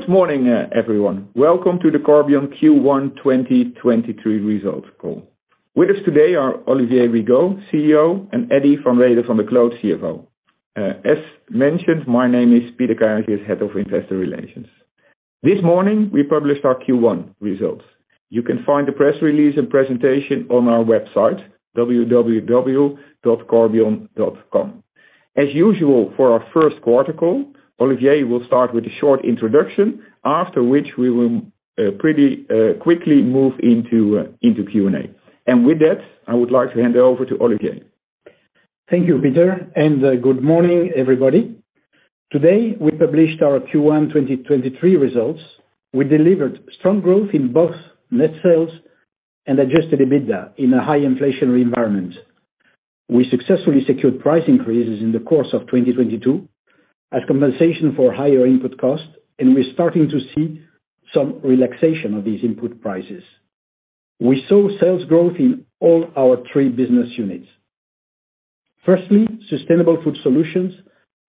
Good morning, everyone. Welcome to the Corbion Q1 2023 results call. With us today are Olivier Rigaud, CEO, and Eddy van Rhede van der Kloot, CFO. As mentioned, my name is Peter Keijzers, Head of Investor Relations. This morning, we published our Q1 results. You can find the press release and presentation on our website, www.corbion.com. As usual for our first quarter call, Olivier will start with a short introduction, after which we will pretty quickly move into Q&A. With that, I would like to hand over to Olivier. Thank you, Peter, and good morning, everybody. Today, we published our Q1 2023 results. We delivered strong growth in both net sales and adjusted EBITDA in a high inflationary environment. We successfully secured price increases in the course of 2022 as compensation for higher input costs, and we're starting to see some relaxation of these input prices. We saw sales growth in all our three business units. Firstly, Sustainable Food Solutions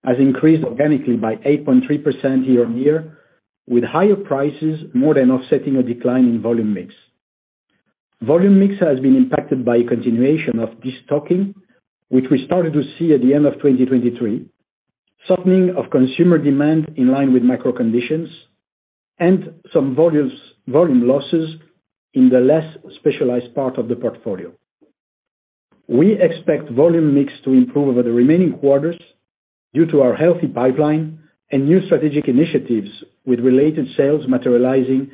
has increased organically by 8.3% year-over-year, with higher prices more than offsetting a decline in volume mix. Volume mix has been impacted by a continuation of destocking, which we started to see at the end of 2023, softening of consumer demand in line with macro conditions and some volume losses in the less specialized part of the portfolio. We expect volume mix to improve over the remaining quarters due to our healthy pipeline and new strategic initiatives with related sales materializing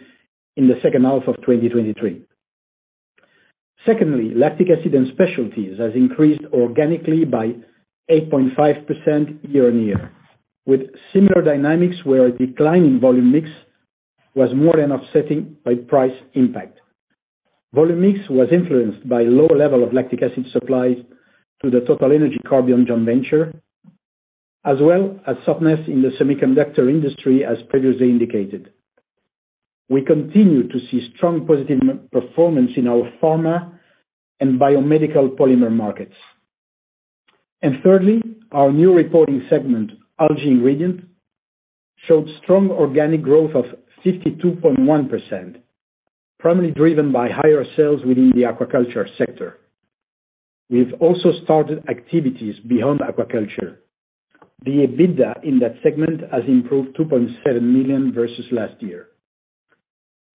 in the second half of 2023. Secondly, Lactic Acid & Specialties has increased organically by 8.5% year-over-year, with similar dynamics where a decline in volume mix was more than offsetting by price impact. Volume mix was influenced by lower levels of lactic acid supplies to the TotalEnergies Corbion joint venture, as well as softness in the semiconductor industry as previously indicated. We continue to see strong positive performance in our pharma and biomedical polymer markets. Thirdly, our new reporting segment, Algae Ingredients, showed strong organic growth of 52.1%, primarily driven by higher sales within the aquaculture sector. We've also started activities beyond aquaculture. The EBITDA in that segment has improved 2.7 million versus last year.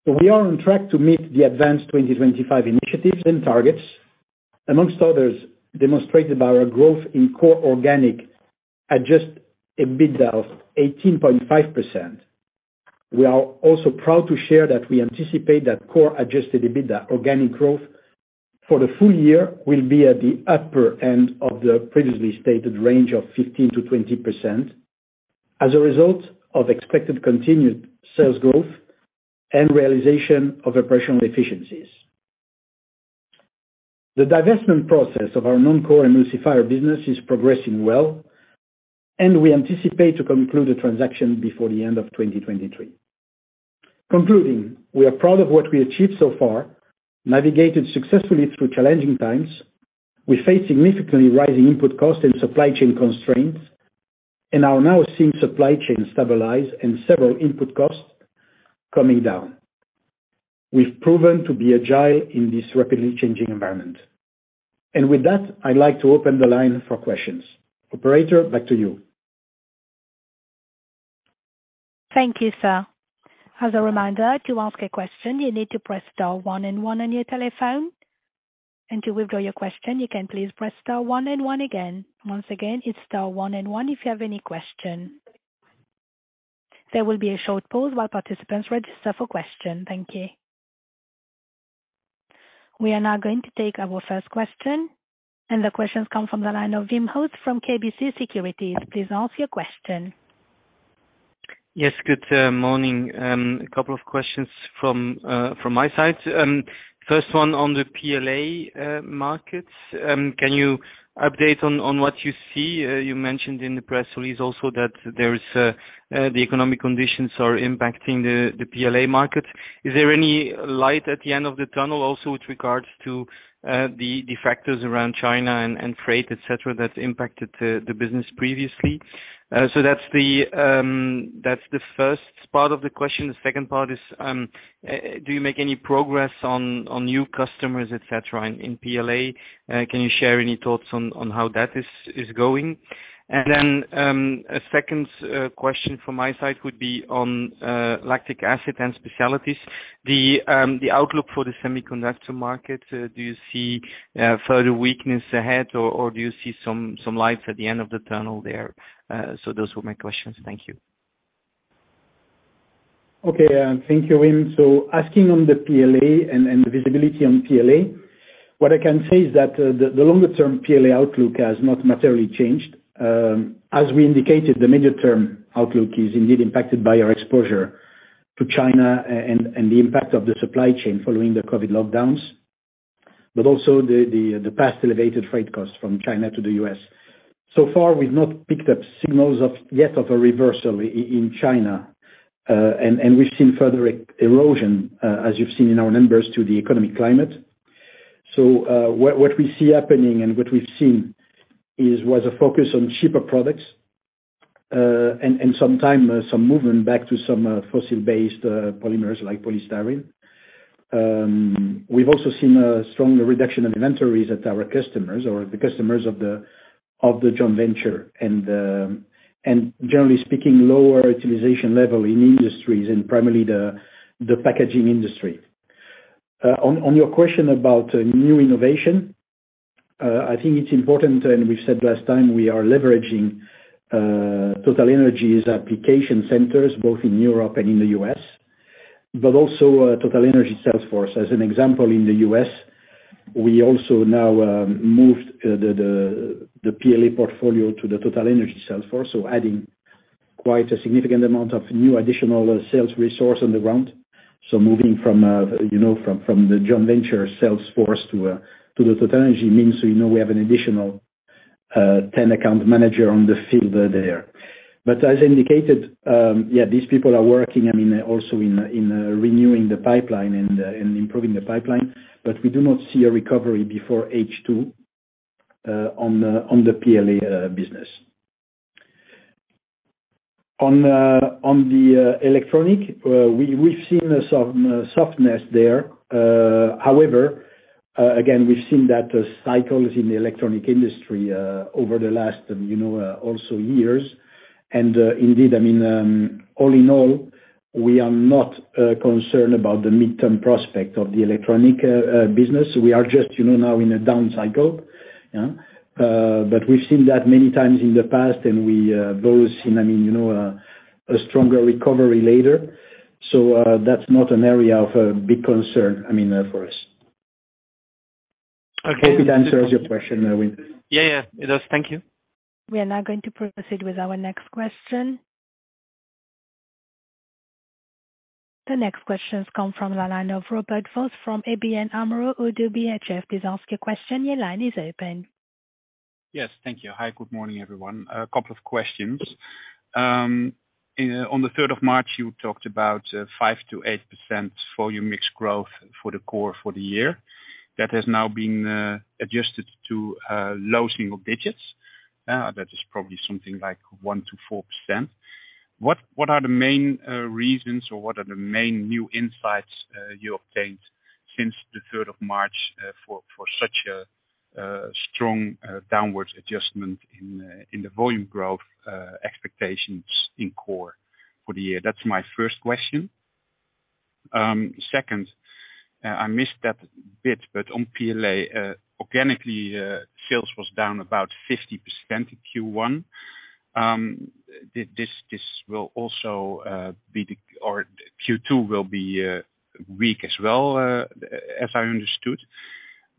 We are on track to meet the Advance 2025 initiatives and targets, among others, demonstrated by our growth in core organic adjusted EBITDA of 18.5%. We are also proud to share that we anticipate core adjusted EBITDA organic growth for the full year will be at the upper end of the previously stated range of 15%-20% as a result of expected continued sales growth and realization of operational efficiencies. The divestment process of our non-core emulsifier business is progressing well, and we anticipate to conclude the transaction before the end of 2023. Concluding, we are proud of what we achieved so far, navigated successfully through challenging times. We face significantly rising input costs and supply chain constraints, are now seeing supply chain stabilize and several input costs coming down. We've proven to be agile in this rapidly changing environment. With that, I'd like to open the line for questions. Operator, back to you. Thank you, sir. As a reminder, to ask a question, you need to press star one and one on your telephone. To withdraw your question, you can please press star one and one again. Once again, it's star one and one if you have any question. There will be a short pause while participants register for question. Thank you. We are now going to take our first question. The questions come from the line of Wim Hoste from KBC Securities. Please ask your question. Yes, good morning. A couple of questions from my side. First one on the PLA markets. Can you update on what you see? You mentioned in the press release also that economic conditions are impacting the PLA market. Is there any light at the end of the tunnel also with regards to the factors around China and freight, et cetera, that's impacted the business previously? So that's the first part of the question. The second part is, do you make any progress on new customers, et cetera, in PLA? Can you share any thoughts on how that is going? Then a second question from my side would be on Lactic Acid & Specialties. The outlook for the semiconductor market, do you see further weakness ahead, or do you see some light at the end of the tunnel there? Those were my questions. Thank you. Okay. Thank you, Wim. Asking on the PLA and the visibility on PLA, what I can say is that the longer-term PLA outlook has not materially changed. As we indicated, the near-term outlook is indeed impacted by our exposure to China and the impact of the supply chain following the COVID lockdowns, but also the past elevated freight costs from China to the U.S. So far, we've not picked up signals of, yet of a reversal in China, and we've seen further erosion, as you've seen in our numbers to the economic climate. What we see happening and what we've seen is, was a focus on cheaper products. And sometimes, some movement back to some fossil-based polymers, like polystyrene. We've also seen a stronger reduction in inventories at our customers or the customers of the TotalEnergies Corbion and generally speaking, lower utilization level in industries, and primarily the packaging industry. On your question about new innovation, I think it's important, and we said last time, we are leveraging TotalEnergies application centers both in Europe and in the U.S., but also TotalEnergies sales force. As an example, in the U.S., we also now moved the PLA portfolio to the TotalEnergies sales force, so adding quite a significant amount of new additional sales resource on the ground. Moving from, you know, from the TotalEnergies Corbion sales force to the TotalEnergies means, you know, we have an additional 10 account managers on the field there. As indicated, yeah, these people are working, I mean, also in renewing the pipeline and improving the pipeline, but we do not see a recovery before H2 on the PLA business. On the electronic, we've seen some softness there. However, again, we've seen that cycles in the electronic industry over the last, you know, also years. Indeed, I mean, all in all, we are not concerned about the midterm prospect of the electronic business. We are just, you know, now in a down cycle, yeah. We've seen that many times in the past, and we, those in, I mean, you know, a stronger recovery later. That's not an area of big concern, I mean, for us. Okay. Hope it answers your question, Wim. Yeah, yeah, it does. Thank you. We are now going to proceed with our next question. The next question comes from the line of Robert-Jan Vos from ABN AMRO ODDO BHF. Would you, please ask your question. Your line is open. Yes. Thank you. Hi, good morning, everyone. A couple of questions. On the third of March, you talked about 5%-8% for your mixed growth for the core for the year. That has now been adjusted to low single digits. That is probably something like 1%-4%. What are the main reasons or what are the main new insights you obtained since the third of March for such a strong downwards adjustment in the volume growth expectations in core for the year? That's my first question. Second, I missed that bit. On PLA, organically, sales was down about 50% in Q1. This will also be weak as well, as I understood.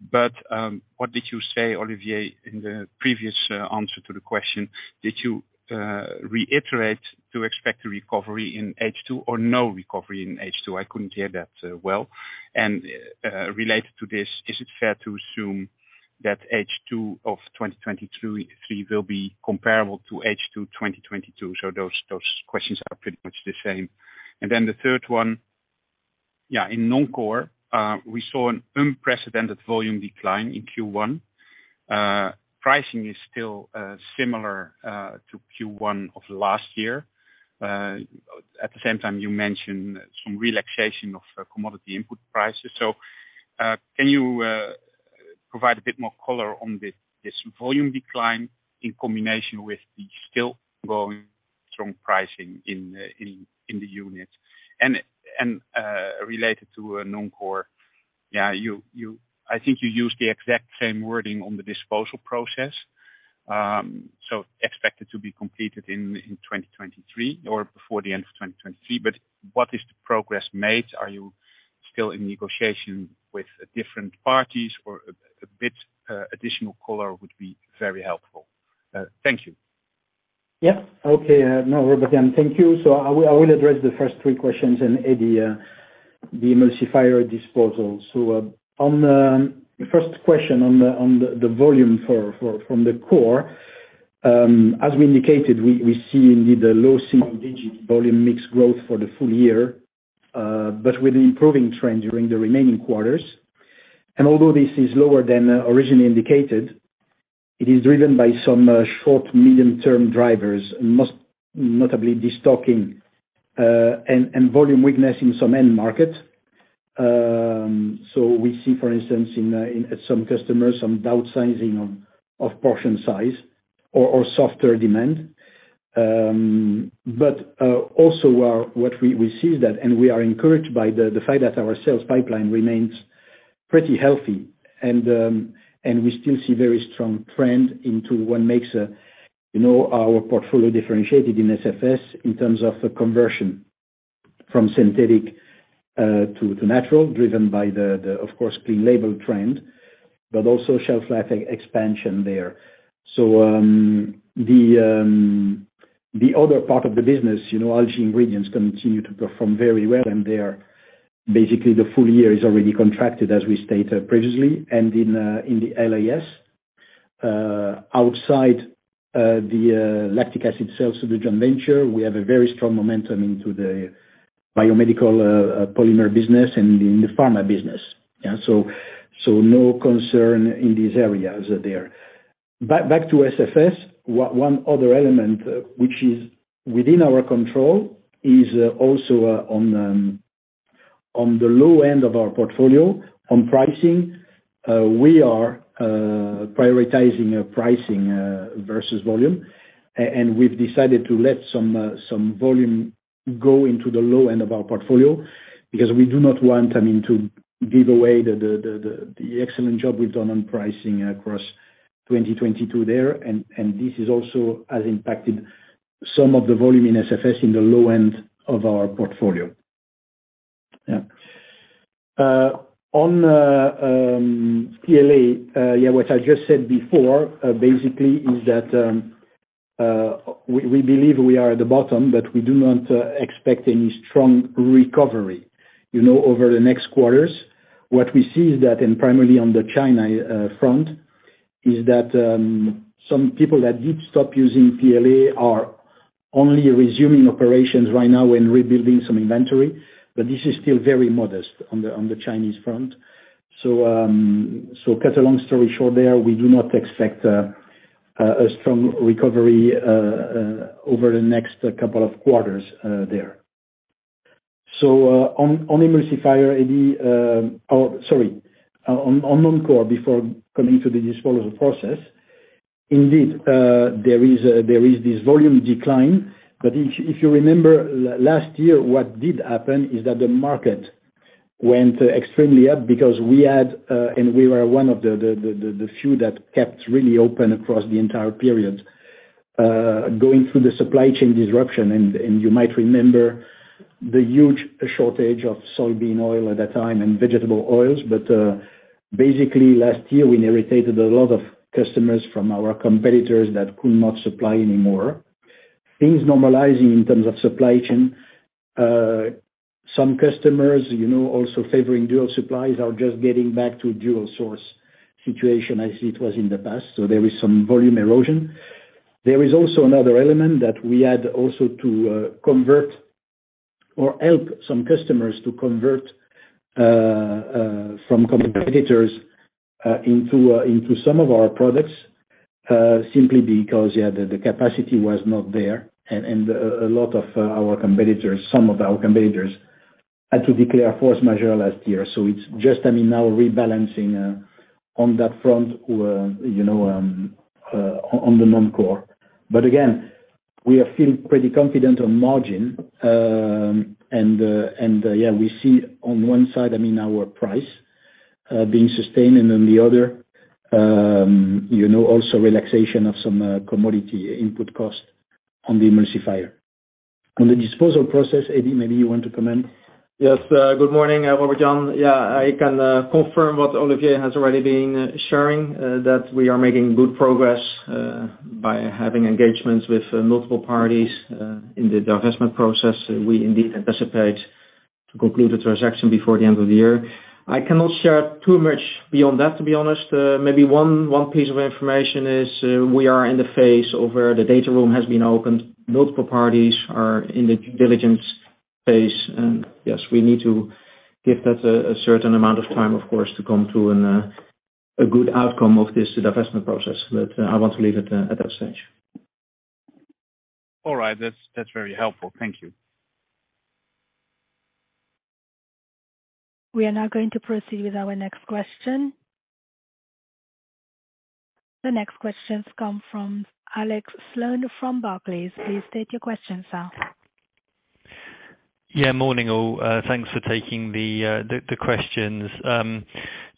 What did you say, Olivier, in the previous answer to the question, did you reiterate to expect a recovery in H2 or no recovery in H2? I couldn't hear that well. Related to this, is it fair to assume that H2 of 2023 will be comparable to H2 2022? Those questions are pretty much the same. The third one, in non-core, we saw an unprecedented volume decline in Q1. Pricing is still similar to Q1 of last year. At the same time, you mentioned some relaxation of commodity input prices. Can you provide a bit more color on this volume decline in combination with the still growing strong pricing in in the unit? Related to a non-core, you. I think you used the exact same wording on the disposal process. expect it to be completed in 2023 or before the end of 2023. What is the progress made? Are you still in negotiation with different parties or a bit additional color would be very helpful. Thank you. Okay. No, Robert. Thank you. I will address the first three questions and the emulsifier disposal. On the first question on the volume from the core, as we indicated, we see indeed a low single-digit volume mixed growth for the full year, with an improving trend during the remaining quarters. Although this is lower than originally indicated, it is driven by some short, medium-term drivers, most notably destocking and volume weakness in some end markets. We see, for instance, in some customers, some downsizing of portion size or softer demand. Also what we see that, and we are encouraged by the fact that our sales pipeline remains pretty healthy. We still see very strong trend into what makes, you know, our portfolio differentiated in SFS in terms of the conversion from synthetic to natural, driven by the clean label trend, but also shelf life e-expansion there. The other part of the business, you know, Algae Ingredients continue to perform very well, and they are basically the full year is already contracted as we stated previously. In the LAS outside the lactic acid sales to the joint venture, we have a very strong momentum into the biomedical polymer business and in the pharma business. No concern in these areas there. Back to SFS, one other element, which is within our control, is also on the low end of our portfolio on pricing. We are prioritizing pricing versus volume. We've decided to let some volume go into the low end of our portfolio because we do not want, I mean, to give away the excellent job we've done on pricing across 2022 there. This is also has impacted some of the volume in SFS in the low end of our portfolio. Yeah. On PLA, what I just said before, basically is that we believe we are at the bottom, but we do not expect any strong recovery, you know, over the next quarters. What we see is that, and primarily on the China front, is that some people that did stop using PLA are only resuming operations right now and rebuilding some inventory. This is still very modest on the Chinese front. Cut a long story short there, we do not expect a strong recovery over the next couple of quarters there. On emulsifier, Eddie, or sorry, on noncore before coming to the disposal process, indeed, there is this volume decline. If you remember last year, what did happen is that the market went extremely up because we had and we were one of the few that kept really open across the entire period going through the supply chain disruption. You might remember the huge shortage of soybean oil at that time and vegetable oils. Basically last year we inherited a lot of customers from our competitors that could not supply anymore. Things normalizing in terms of supply chain, some customers, you know, also favoring dual supplies are just getting back to dual source situation as it was in the past. There is some volume erosion. There is also another element that we had also to convert or help some customers to convert from competitors into some of our products simply because the capacity was not there. A lot of our competitors, some of our competitors had to declare force majeure last year. It's just, I mean, now rebalancing on that front, you know, on the non-core. Again, we are feeling pretty confident on margin. Yeah, we see on one side, I mean, our price, being sustained and then the other, you know, also relaxation of some, commodity input cost on the emulsifier. On the disposal process, Eddy, maybe you want to comment? Yes. Good morning, Robert-Jan. Yeah. I can confirm what Olivier has already been sharing that we are making good progress by having engagements with multiple parties in the divestment process. We indeed anticipate to conclude the transaction before the end of the year. I cannot share too much beyond that, to be honest. Maybe one piece of information is we are in the phase of where the data room has been opened. Multiple parties are in the due diligence phase. Yes, we need to give that a certain amount of time, of course, to come to a good outcome of this divestment process. I want to leave it at that stage. All right. That's very helpful. Thank you. We are now going to proceed with our next question. The next questions come from Alex Sloane from Barclays. Please state your question, sir. Yeah, morning, all. Thanks for taking the questions.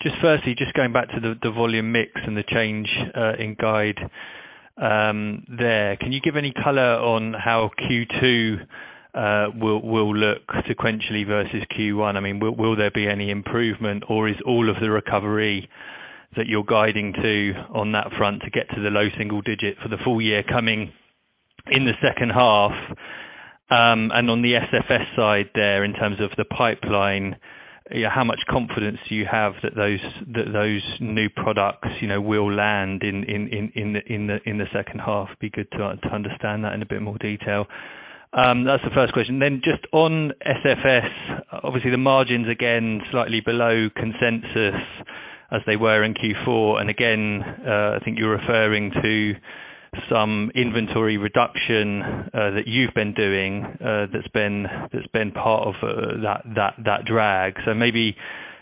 Just firstly, just going back to the volume mix and the change in guide there, can you give any color on how Q2 will look sequentially versus Q1? I mean, will there be any improvement, or is all of the recovery that you're guiding to on that front to get to the low single digit for the full year coming in the second half? On the SFS side there, in terms of the pipeline, you know, how much confidence do you have that those new products, you know, will land in the second half? Be good to understand that in a bit more detail. That's the first question. Just on SFS, obviously the margins again slightly below consensus as they were in Q4. Again, I think you're referring to some inventory reduction that you've been doing that's been part of that drag. Maybe,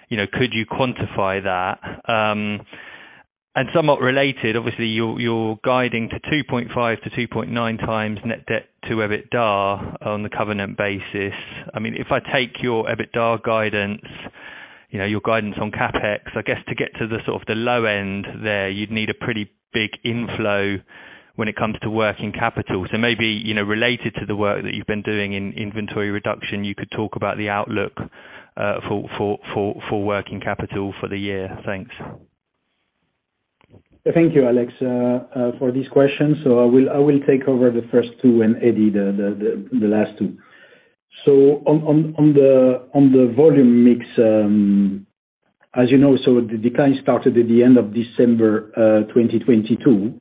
you know, could you quantify that? Somewhat related, obviously you're guiding to 2.5-2.9 times net debt to EBITDA on the covenant basis. I mean, if I take your EBITDA guidance, you know, your guidance on CapEx, I guess to get to the sort of the low end there, you'd need a pretty big inflow when it comes to working capital. Maybe, you know, related to the work that you've been doing in inventory reduction, you could talk about the outlook for working capital for the year. Thanks. Thank you, Alex, for these questions. I will take over the first two and Eddy the last two. On the volume mix, as you know, the decline started at the end of December 2022.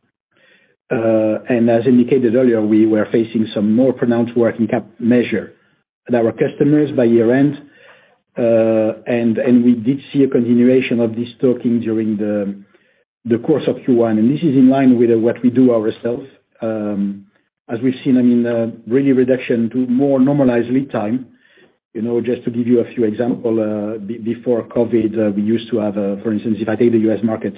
As indicated earlier, we were facing some more pronounced working cap measure at our customers by year-end. We did see a continuation of this talking during the course of Q1, and this is in line with what we do ourselves. As we've seen, I mean, a really reduction to more normalized lead time. You know, just to give you a few example, before COVID, we used to have, for instance, if I take the U.S. market,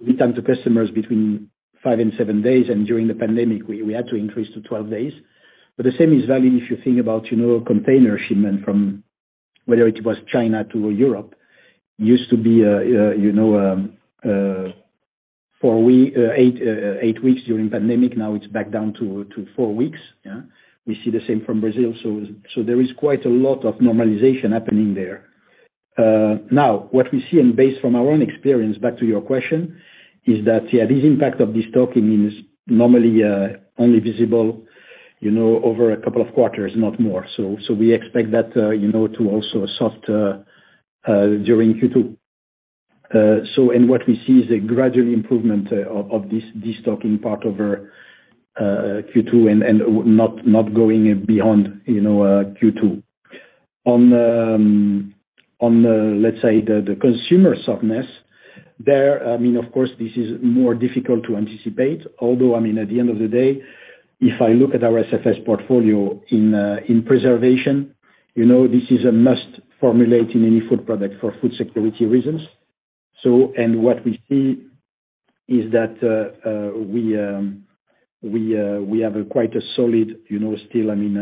lead time to customers between 5 and 7 days, and during the pandemic, we had to increase to 12 days. The same is valid if you think about, you know, container shipment from whether it was China to Europe, used to be, you know, 4 week, 8 weeks during pandemic, now it's back down to 4 weeks. We see the same from Brazil. There is quite a lot of normalization happening there. Now, what we see, and based from our own experience, back to your question, is that, this impact of this talking is normally only visible, you know, over a couple of quarters, not more. We expect that, you know, to also soft during Q2. What we see is a gradual improvement of this talking part over Q2 and not going beyond, you know, Q2. On the, let's say, the consumer softness, there, I mean, of course, this is more difficult to anticipate, although, I mean, at the end of the day, if I look at our SFS portfolio in preservation, you know, this is a must formulate in any food product for food security reasons. What we see is that we have a quite a solid, you know, still, I mean,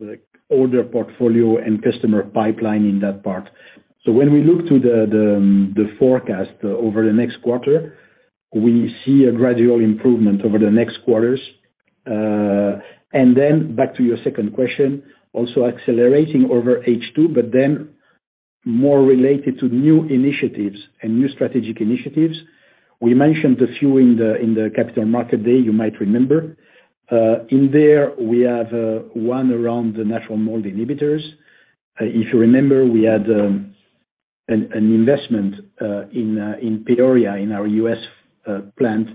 like, older portfolio and customer pipeline in that part. When we look to the forecast over the next quarter, we see a gradual improvement over the next quarters. Back to your second question, also accelerating over H2, more related to new initiatives and new strategic initiatives. We mentioned a few in the capital market day, you might remember. In there, we have one around the natural mold inhibitors. If you remember, we had an investment in Peoria, in our US plant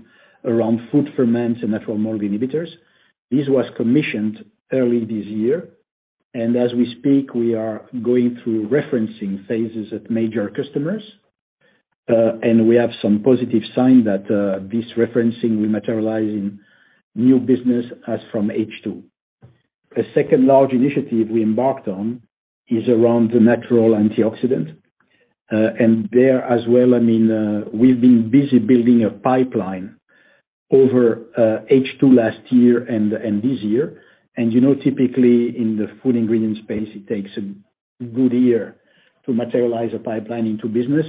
around food ferment and natural mold inhibitors. This was commissioned early this year. As we speak, we are going through referencing phases at major customers, and we have some positive sign that this referencing will materialize in new business as from H2. A second large initiative we embarked on is around the natural antioxidant. There as well, I mean, we've been busy building a pipeline over H2 last year and this year. You know, typically in the food ingredient space, it takes a good year to materialize a pipeline into business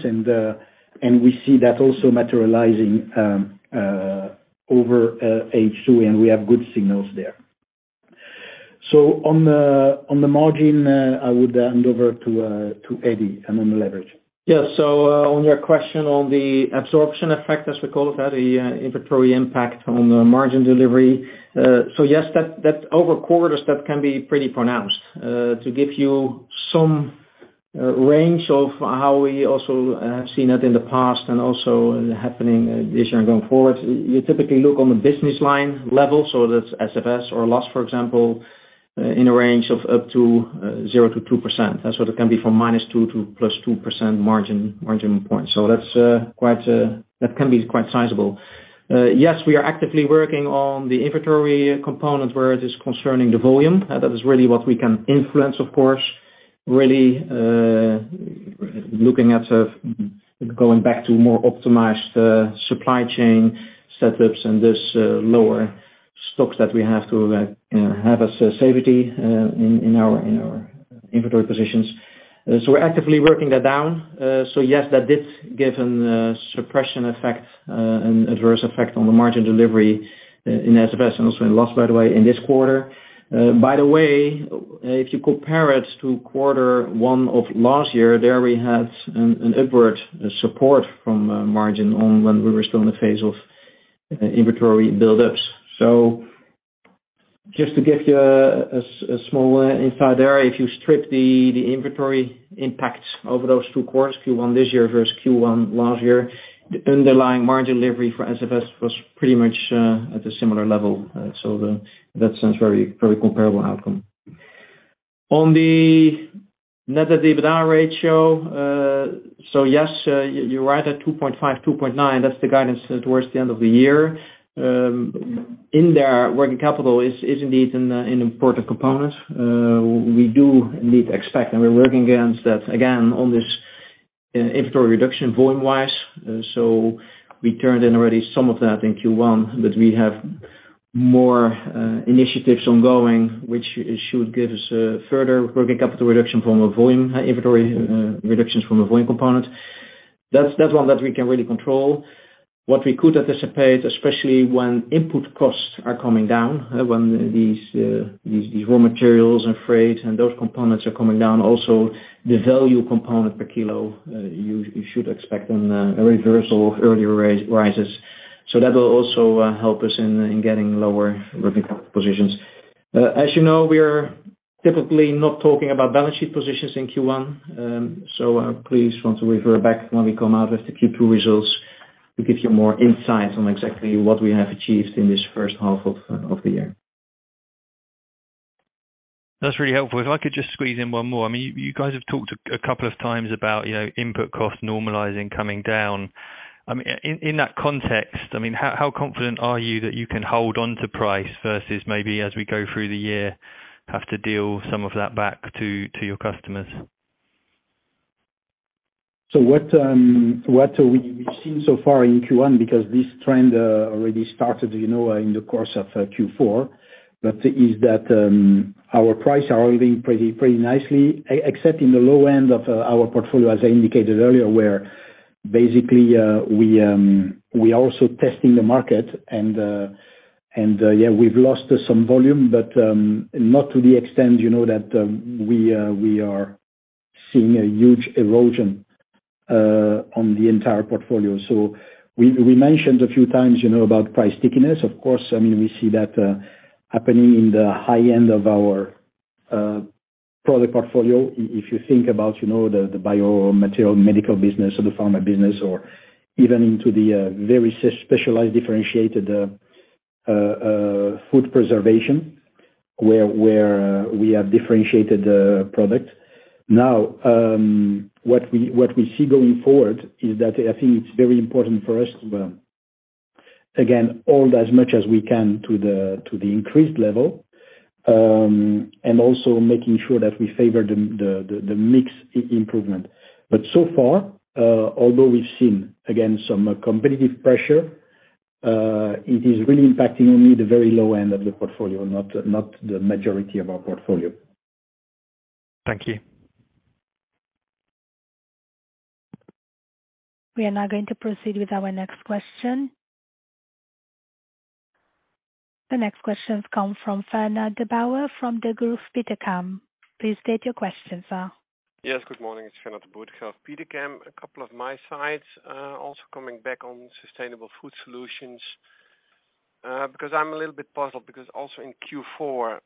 and we see that also materializing over H2, and we have good signals there. On the margin, I would hand over to Eddy and then the leverage. Yeah. On your question on the absorption effect, as we call it, that the inventory impact on the margin delivery. Yes, that over quarters, that can be pretty pronounced. To give you some range of how we also have seen that in the past and also happening this year and going forward, you typically look on the business line level, so that's SFS or LAS, for example, in a range of up to 0-2%. That's what it can be from -2% to +2% margin points. That can be quite sizable. Yes, we are actively working on the inventory component where it is concerning the volume. That is really what we can influence, of course, really, looking at going back to more optimized supply chain setups and this lower stocks that we have to have as a safety in our inventory positions. We're actively working that down. Yes, that did give an suppression effect, an adverse effect on the margin delivery in SFS and also in LAS, by the way, in this quarter. By the way, if you compare it to quarter one of last year, there we had an upward support from margin on when we were still in the phase of inventory buildups. Just to give you a small insight there, if you strip the inventory impact over those two quarters, Q1 this year versus Q1 last year, the underlying margin delivery for SFS was pretty much at a similar level. That's a very comparable outcome. On the net debt to EBITDA ratio, yes, you're right at 2.5, 2.9. That's the guidance towards the end of the year. In there, working capital is indeed an important component. We do indeed expect, and we're working against that, again, on this inventory reduction volume-wise. We turned in already some of that in Q1, but we have more initiatives ongoing, which should give us further working capital reduction from inventory reductions from a volume component. That's one that we can really control. What we could anticipate, especially when input costs are coming down, when these raw materials and freight and those components are coming down, also the value component per kilo, you should expect a reversal of earlier rises. That will also help us in getting lower working capital positions. As you know, we are typically not talking about balance sheet positions in Q1. Please want to refer back when we come out with the Q2 results to give you more insight on exactly what we have achieved in this first half of the year. That's really helpful. If I could just squeeze in one more, I mean, you guys have talked a couple of times about, you know, input cost normalizing coming down. I mean, in that context, I mean, how confident are you that you can hold on to price versus maybe as we go through the year, have to deal some of that back to your customers? What we've seen so far in Q1, because this trend already started, you know, in the course of Q4, but is that our price are holding pretty nicely, except in the low end of our portfolio, as I indicated earlier, where basically, we are also testing the market and, yeah, we've lost some volume, but not to the extent, you know, that we are seeing a huge erosion on the entire portfolio. We mentioned a few times, you know, about price stickiness. Of course, I mean, we see that happening in the high end of our product portfolio. If you think about, you know, the biomaterial medical business or the pharma business or even into the very specialized differentiated food preservation where we have differentiated product. Now, what we see going forward is that I think it's very important for us, again, hold as much as we can to the increased level, and also making sure that we favor the mix improvement. So far, although we've seen, again, some competitive pressure, it is really impacting only the very low end of the portfolio, not the majority of our portfolio. Thank you. We are now going to proceed with our next question. The next question comes from Fernand de Boer from Degroof Petercam. Please state your question, sir. Good morning. It's Fernand De Boer, Degroof Petercam. A couple of my sides, also coming back on Sustainable Food Solutions, because I'm a little bit puzzled because also in Q4,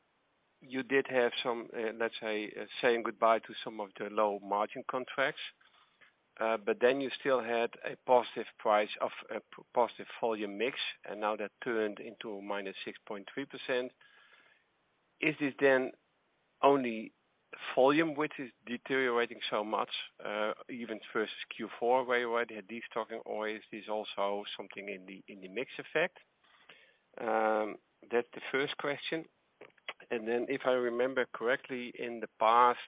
you did have some, let's say, saying goodbye to some of the low margin contracts. You still had a positive price of a positive volume mix, and now that turned into -6.3%. Is it then only volume which is deteriorating so much, even versus Q4, where you already had destocking, or is this also something in the mix effect? That's the first question. If I remember correctly, in the past,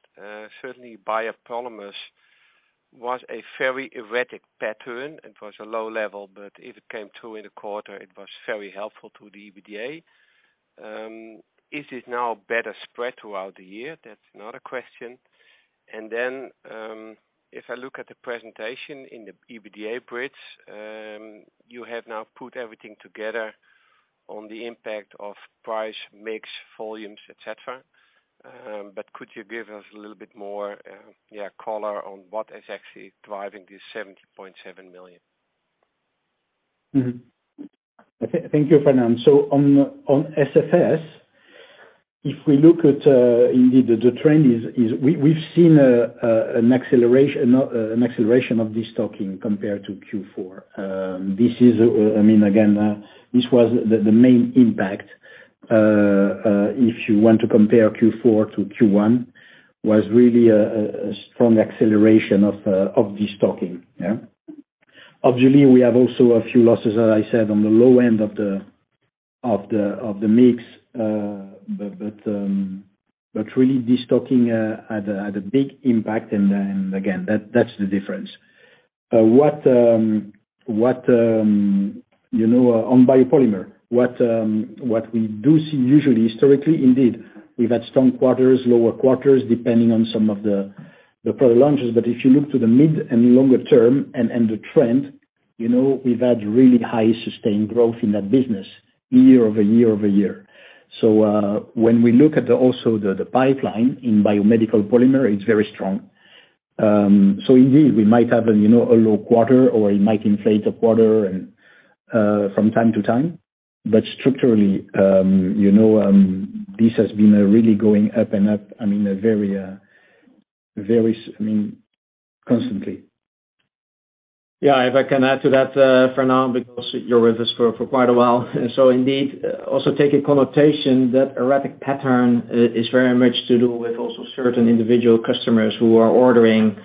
certainly biopolymers was a very erratic pattern. It was a low level, but if it came through in a quarter, it was very helpful to the EBITDA. Is it now better spread throughout the year? That's another question. If I look at the presentation in the EBITDA bridge, you have now put everything together on the impact of price, mix, volumes, et cetera. Could you give us a little bit more color on what is actually driving this 70.7 million? Okay. Thank you, Fernand. On SFS, if we look at, indeed the trend is we've seen an acceleration of destocking compared to Q4. I mean, again, this was the main impact, if you want to compare Q4 to Q1, was really a strong acceleration of destocking. Obviously, we have also a few losses, as I said, on the low end of the mix. Really destocking had a big impact and again, that's the difference. What, you know, on biopolymer, what we do see usually historically, indeed, we've had strong quarters, lower quarters, depending on some of the product launches. If you look to the mid and longer-term and the trend, you know, we've had really high sustained growth in that business year over year over year. When we look at also the pipeline in biomedical polymer, it's very strong. Indeed, we might have, you know, a low quarter or it might inflate a quarter and, from time to time. Structurally, you know, this has been really going up and up, I mean, a very, I mean, constantly. Yeah. If I can add to that, Fernand, because you're with us for quite a while. Indeed, also take a connotation that erratic pattern is very much to do with also certain individual customers who are ordering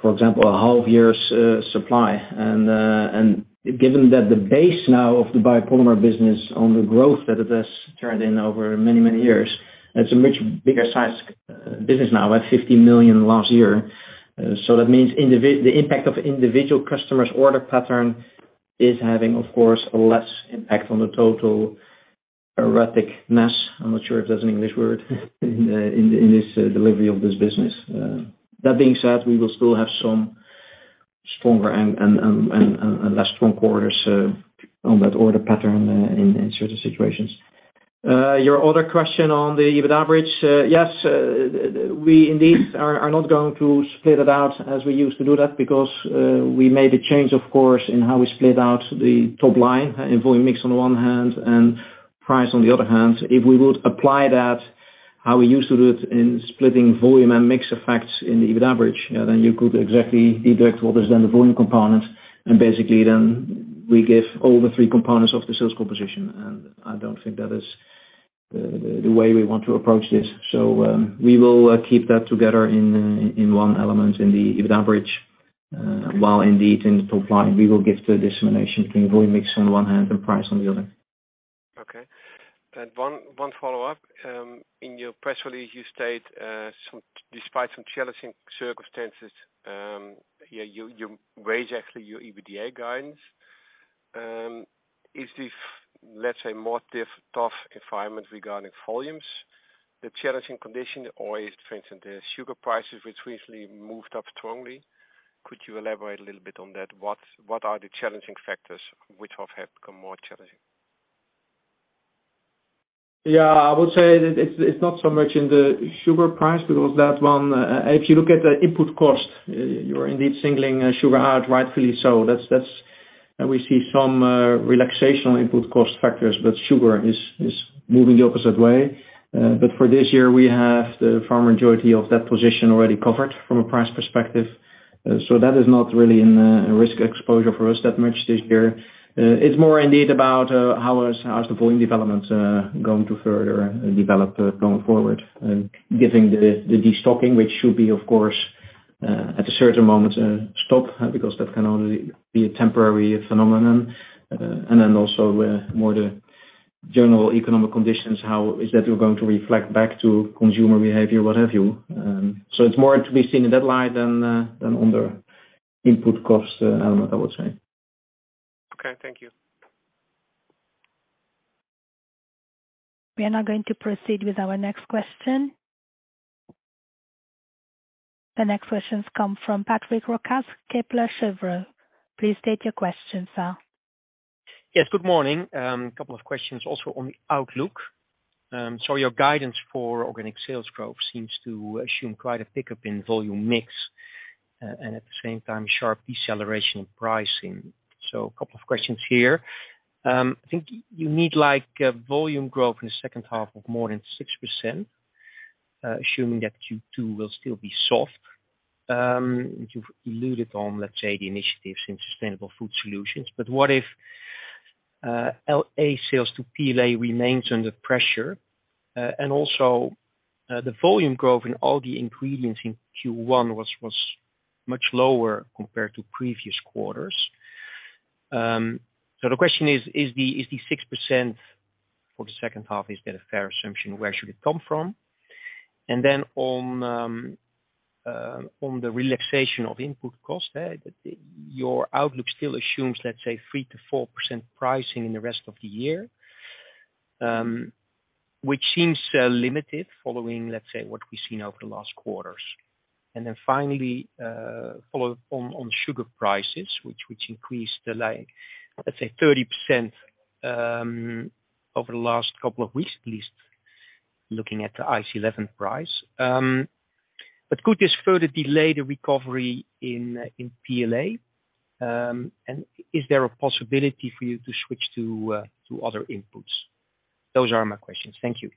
for example, a half year's supply. Given that the base now of the biopolymer business on the growth that it has turned in over many, many years, it's a much bigger sized business now at 50 million last year. That means the impact of individual customers' order pattern is having, of course, less impact on the total erratic nature, I'm not sure if that's an English word, in this delivery of this business. That being said, we will still have some stronger and less strong quarters, on that order pattern, in certain situations. Your other question on the EBIT average, yes, we indeed are not going to split it out as we used to do that because, we made a change, of course, in how we split out the top line, volume mix on the one hand and price on the other hand. If we would apply that, how we used to do it in splitting volume and mix effects in the EBIT average, then you could exactly deduct what is then the volume component. Basically then we give all the three components of the sales composition. I don't think that is the way we want to approach this. We will keep that together in one element in the EBIT average, while indeed in the top line, we will give the disaggregation in volume mix on one hand and price on the other. Okay. One follow-up. In your press release, you state despite some challenging circumstances, you raise actually your EBITDA guidance. Is this, let's say, more tough environment regarding volumes, the challenging condition, or is it for instance, the sugar prices which recently moved up strongly? Could you elaborate a little bit on that? What are the challenging factors which have become more challenging? Yeah, I would say that it's not so much in the sugar price because that one, if you look at the input cost, you're indeed singling sugar out, rightfully so. That's. We see some relaxational input cost factors, but sugar is moving the opposite way. For this year, we have the far majority of that position already covered from a price perspective. That is not really in a risk exposure for us that much this year.It's more indeed about how is the volume developments going to further develop going forward, giving the destocking, which should be of course, at a certain moment, stop, because that can only be a temporary phenomenon. More the general economic conditions, how is that going to reflect back to consumer behavior, what have you. It's more to be seen in that light than on the input cost element, I would say. Okay, thank you. We are now going to proceed with our next question. The next questions come from Patrick Roquas from Kepler Cheuvreux. Please state your question, sir. Yes, good morning. A couple of questions also on the outlook. Your guidance for organic sales growth seems to assume quite a pickup in volume mix, and at the same time, sharp deceleration in pricing. A couple of questions here. I think you need, like, volume growth in the second half of more than 6%, assuming that Q2 will still be soft. You've alluded on, let's say, the initiatives in Sustainable Food Solutions. What if LAS sales to PLA remains under pressure? Also, the volume growth in all the ingredients in Q1 was much lower compared to previous quarters. The question is the 6% for the second half, is that a fair assumption? Where should it come from? On the relaxation of input cost, your outlook still assumes, let's say, 3%-4% pricing in the rest of the year, which seems limited following, let's say, what we've seen over the last quarters. Finally, follow up on sugar prices, which increased, like, let's say 30%, over the last couple of weeks, at least looking at the ICE No. 11 price. Could this further delay the recovery in PLA? Is there a possibility for you to switch to other inputs? Those are my questions. Thank you.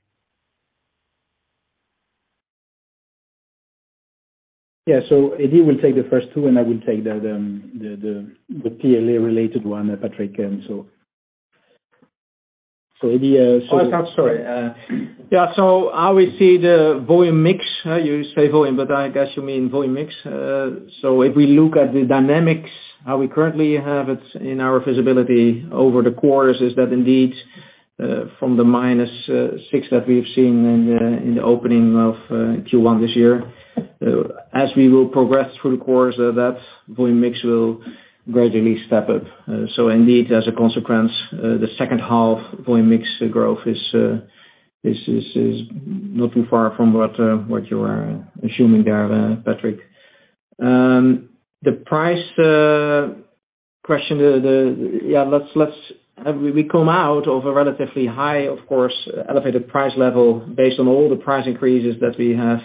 Yeah. Eddy will take the first two, and I will take the PLA related one, Patrick. Eddy. Oh, sorry. Yeah, how we see the volume mix, you say volume, but I guess you mean volume mix. If we look at the dynamics, how we currently have it in our visibility over the course, is that indeed, from the minus 6 that we've seen in the opening of Q1 this year. As we will progress through the course of that, volume mix will gradually step up. Indeed, as a consequence, the second half volume mix growth is not too far from what you are assuming there, Patrick. The price question. Yeah, let's we come out of a relatively high, of course, elevated price level based on all the price increases that we have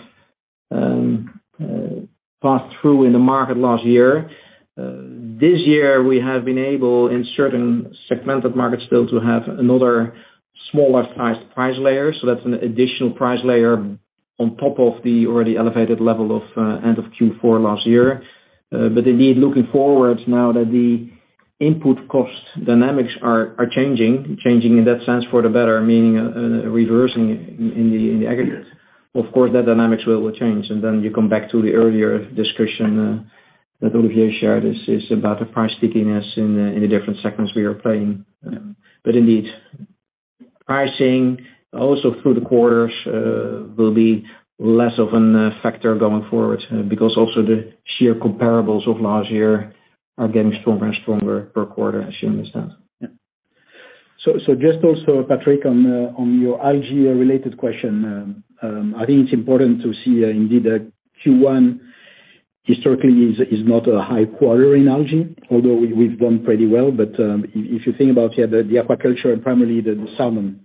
passed through in the market last year. This year, we have been able, in certain segmented markets still, to have another smaller sized price layer. That's an additional price layer on top of the already elevated level of end of Q4 last year. Indeed, looking forward now that the input cost dynamics are changing in that sense for the better, meaning reversing in the aggregate. Of course, that dynamics will change. Then you come back to the earlier discussion that Olivier shared. This is about the price stickiness in the different segments we are playing. Indeed, pricing also through the quarters will be less of an factor going forward because also the sheer comparables of last year are getting stronger and stronger per quarter, assuming that. Just also, Patrick, on your algae related question, I think it's important to see indeed that Q1 historically is not a high quarter in algae, although we've done pretty well. If you think about the aquaculture and primarily the salmon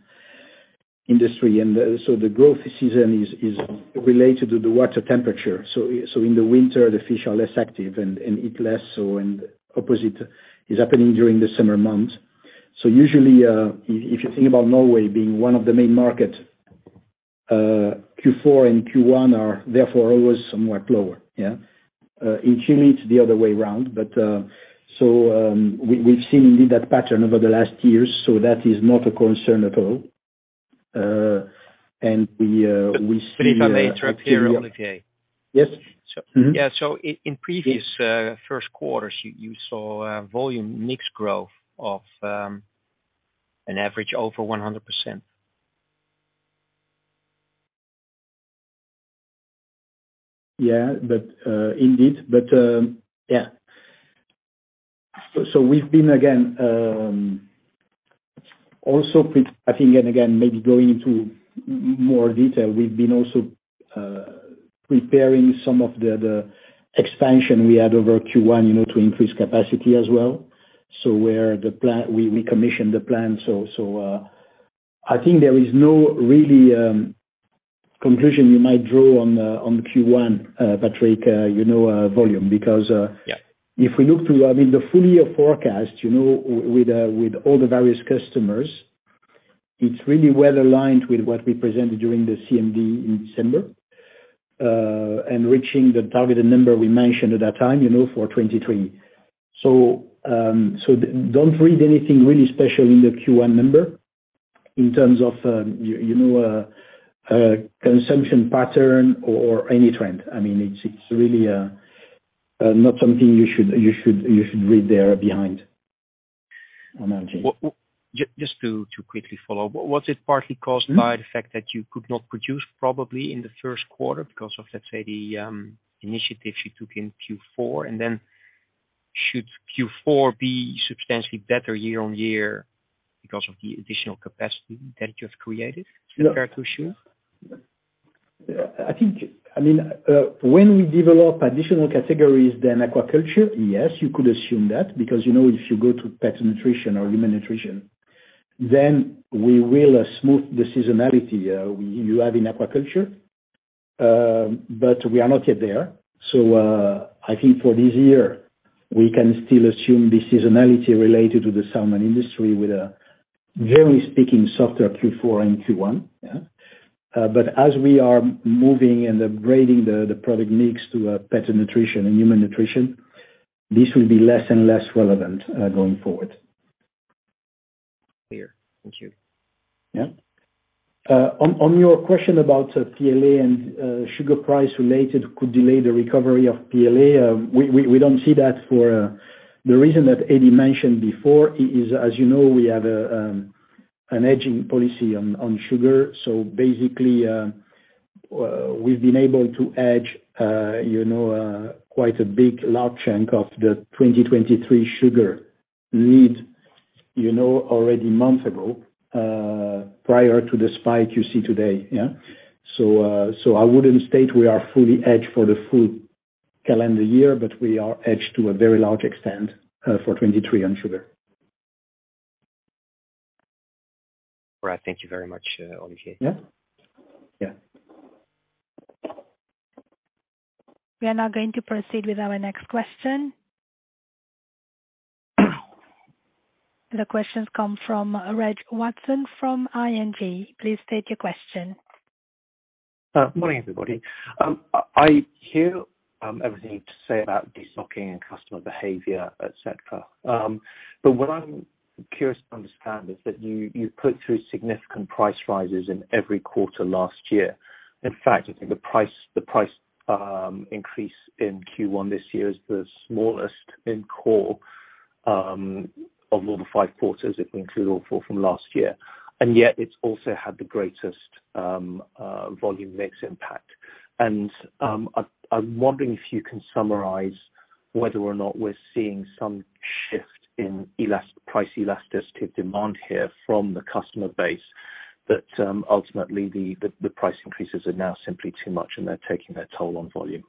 industry, and so the growth season is related to the water temperature. In the winter, the fish are less active and eat less so, and opposite is happening during the summer months. Usually, if you think about Norway being one of the main markets, Q4 and Q1 are therefore always somewhat lower, yeah? In Chile it's the other way around, we've seen indeed that pattern over the last years, that is not a concern at all. We, we see? If I may interrupt here, Olivier. Yes. In previous first quarters, you saw volume mix growth of an average over 100%. Indeed. We've been again, also I think and again, maybe going into more detail, we've been also preparing some of the expansion we had over Q1, you know, to increase capacity as well. We commissioned the plan, so I think there is no really conclusion you might draw on Q1, Patrick, you know, volume. If we look to, I mean, the full year forecast, you know, with all the various customers, it's really well aligned with what we presented during the CMD in December and reaching the targeted number we mentioned at that time, you know, for 23. Don't read anything really special in the Q1 number in terms of, you know, consumption pattern or any trend. I mean, it's really not something you should read there behind, I think. Just to quickly follow. Was it partly caused by the fact that you could not produce probably in the first quarter because of, let's say, the initiatives you took in Q4? Should Q4 be substantially better year-over-year because of the additional capacity that you have created compared to Q2? I think I mean, when we develop additional categories than aquaculture, yes, you could assume that. Because, you know, if you go to pet nutrition or human nutrition, then we will smooth the seasonality you have in aquaculture. we are not yet there. I think for this year, we can still assume the seasonality related to the salmon industry with a, generally speaking, softer Q4 and Q1. Yeah. as we are moving and upgrading the product mix to pet nutrition and human nutrition, this will be less and less relevant going forward. Clear. Thank you. Yeah. On your question about PLA and sugar price related could delay the recovery of PLA, we don't see that for. The reason that Eddy mentioned before is, as you know, we have a hedging policy on sugar. Basically, we've been able to hedge, you know, quite a big large chunk of the 2023 sugar need, you know, already months ago, prior to the spike you see today, yeah? I wouldn't state we are fully hedged for the full calendar year, but we are hedged to a very large extent for 23 on sugar. All right. Thank you very much, Olivier. We are now going to proceed with our next question. The question comes from Reg Watson from ING. Please state your question. Morning, everybody. I hear everything you have to say about de-stocking and customer behavior, et cetera. What I'm curious to understand is that you've put through significant price rises in every quarter last year. In fact, I think the price increase in Q1 this year is the smallest in core of all the five quarters, if we include all four from last year. Yet it's also had the greatest volume mix impact. I'm wondering if you can summarize whether or not we're seeing some shift in price elasticity of demand here from the customer base, ultimately, the price increases are now simply too much and they're taking their toll on volume.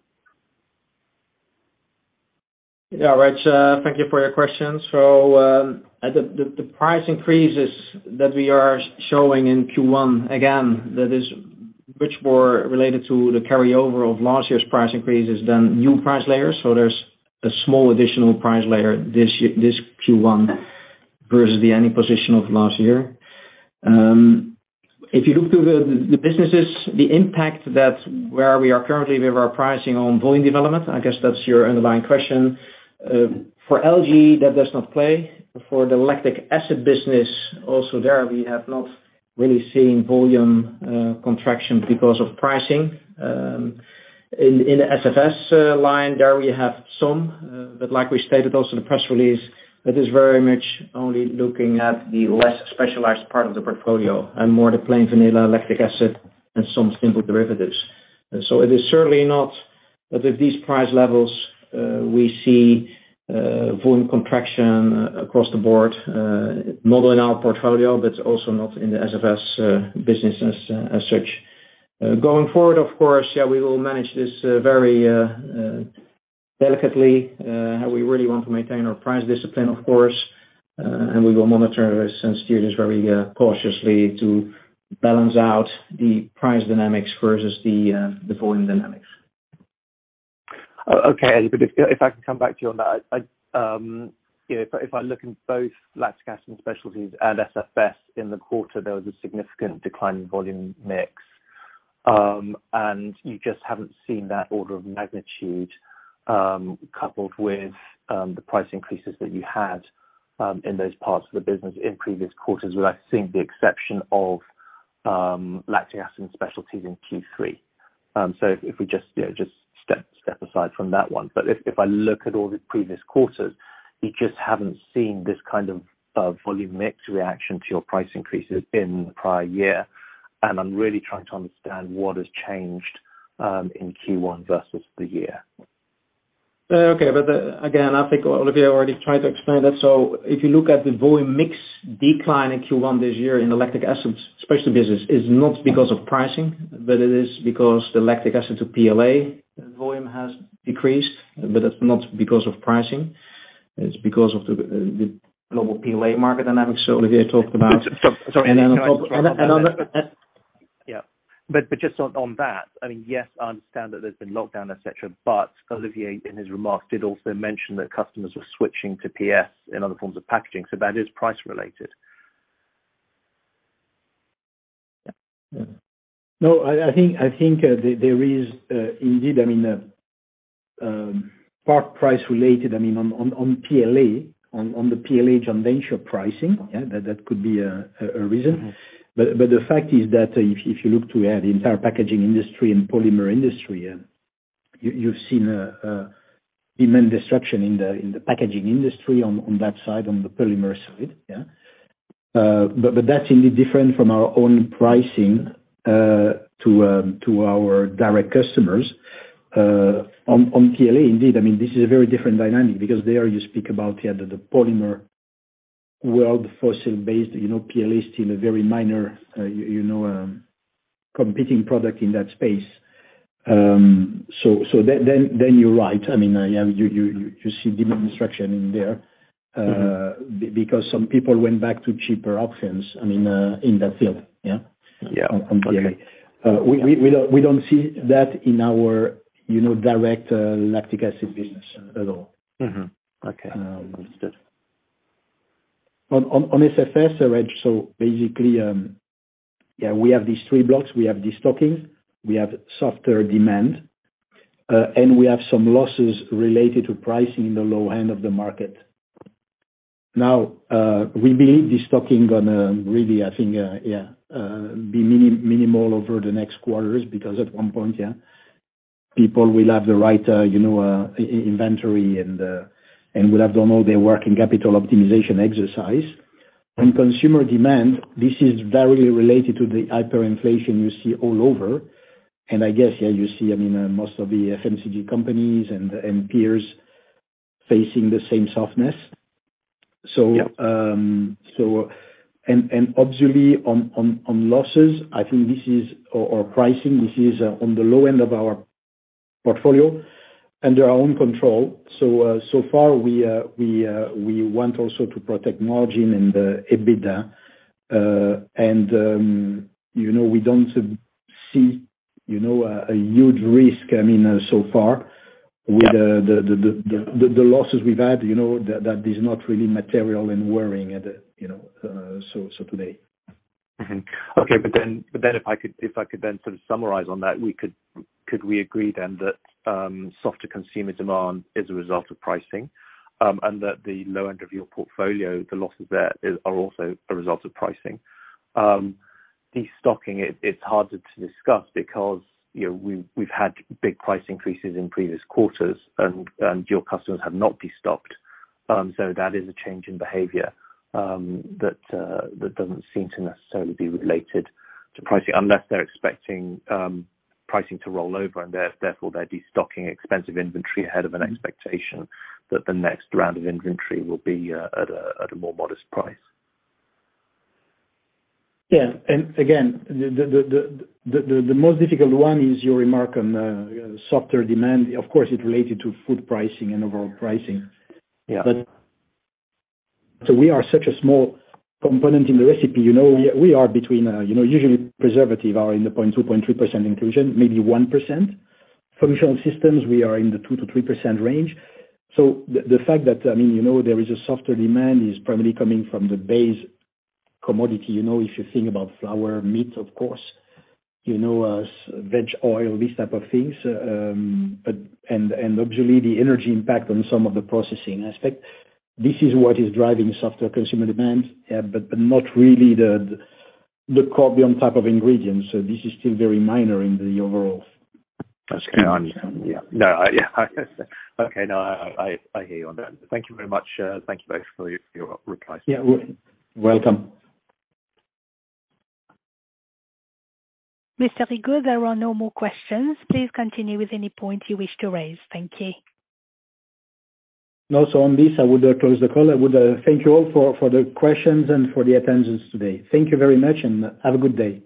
Yeah, Reg, thank you for your question. The price increases that we are showing in Q1, again, that is much more related to the carryover of last year's price increases than new price layers. There's a small additional price layer this Q1 versus the ending position of last year. If you look to the businesses, the impact that where we are currently with our pricing on volume development, I guess that's your underlying question. For LG, that does not play. For the lactic acid business, also there, we have not really seen volume contraction because of pricing. In the SFS line, there we have some. Like we stated also in the press release, that is very much only looking at the less specialized part of the portfolio and more the plain vanilla lactic acid and some simple derivatives. It is certainly not that at these price levels, we see volume contraction across the board, not only in our portfolio, but also not in the SFS business as such. Going forward, of course, yeah, we will manage this very delicately. We really want to maintain our price discipline, of course, and we will monitor this and steer this very cautiously to balance out the price dynamics versus the volume dynamics. Okay. If I can come back to you on that. I, you know, if I look in both Lactic Acid & Specialties and SFS in the quarter, there was a significant decline in volume mix. You just haven't seen that order of magnitude coupled with the price increases that you had in those parts of the business in previous quarters, with I think the exception of Lactic Acid & Specialties in Q3. If we just, you know, just step aside from that one. If I look at all the previous quarters, you just haven't seen this kind of volume mix reaction to your price increases in the prior year. I'm really trying to understand what has changed in Q1 versus the year. Okay. Again, I think Olivier Rigaud already tried to explain that. If you look at the volume mix decline in Q1 this year in the Lactic Acid & Specialties business is not because of pricing, it is because the lactic acid to PLA volume has decreased, it's not because of pricing. It's because of the global PLA market dynamics that Olivier Rigaud talked about on top. Sorry, can I just jump on that? And another. Yeah. Just on that, I mean, yes, I understand that there's been lockdown, et cetera, but Olivier, in his remarks, did also mention that customers are switching to PS and other forms of packaging, so that is price related. No, I think there is indeed, I mean, a part price related, I mean, on PLA, on the PLA joint venture pricing. Yeah. That could be a reason. The fact is that if you look to the entire packaging industry and polymer industry, you've seen a demand destruction in the packaging industry on that side, on the polymer side. Yeah. That's indeed different from our own pricing, to our direct customers, on PLA. Indeed, I mean, this is a very different dynamic because there you speak about the polymer world, fossil-based, you know, PLA is still a very minor, you know, competing product in that space. Then you're right. I mean, you see demand destruction in there, because some people went back to cheaper options, I mean, in that field, yeah. Yeah. Okay. On PLA. We don't see that in our, you know, direct, lactic acid business at all. Okay. Understood. On SFS, so Reg, so basically, yeah, we have these three blocks. We have destocking, we have softer demand, and we have some losses related to pricing in the low end of the market. Now, we believe destocking gonna really, I think, yeah, be mini-minimal over the next quarters because at one point, yeah, people will have the right, you know, inventory and will have done all their work in capital optimization exercise. On consumer demand, this is very related to the hyperinflation you see all over, and I guess, yeah, you see, I mean, most of the FMCG companies and peers facing the same softness. Obviously on losses, I think this is. Pricing, this is on the low end of our portfolio under our own control. So far we want also to protect margin and EBITDA, and, you know, we don't see, you know, a huge risk, I mean, so far. With the losses we've had, you know, that is not really material and worrying at, you know, so today. If I could then sort of summarize on that, Could we agree then that softer consumer demand is a result of pricing, and that the low end of your portfolio, the losses there are also a result of pricing? Destocking, it's harder to discuss because, you know, we've had big price increases in previous quarters and your customers have not destocked. That is a change in behavior that doesn't seem to necessarily be related to pricing unless they're expecting pricing to roll over and therefore they're destocking expensive inventory ahead of an expectation that the next round of inventory will be at a more modest price. Yeah. Again, the most difficult one is your remark on softer demand. Of course, it's related to food pricing and overall pricing. We are such a small component in the recipe, you know, we are between, you know, usually preservative are in the 0.2%-0.3% inclusion, maybe 1%. Functional systems, we are in the 2%-3% range. The fact that, I mean, you know, there is a softer demand is primarily coming from the base commodity. You know, if you think about flour, meat, of course, you know, veg oil, these type of things. Obviously the energy impact on some of the processing aspect. This is what is driving softer consumer demand, not really the Corbion type of ingredients. This is still very minor in the overall. That's clear. Yeah. Yeah. Okay. No, I hear you on that. Thank you very much. Thank you both for your replies. Yeah. Welcome. Mr. Rigaud, there are no more questions. Please continue with any points you wish to raise. Thank you. Also on this, I would close the call. I would thank you all for the questions and for the attendance today. Thank you very much and have a good day.